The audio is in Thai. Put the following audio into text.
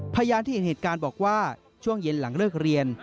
พยานที่เห็นเหตุการณ์บอกว่าช่วงเย็นหลังเลิกเรียน